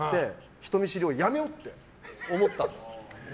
人見知りをやめようって思ったんです。